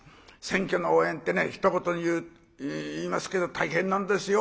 選挙の応援ってひと言に言いますけど大変なんですよ。